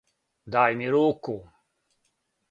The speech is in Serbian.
Дај ми руку!